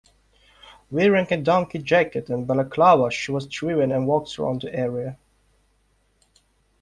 Wearing a donkey jacket and balaclava, she was driven, and walked around the area.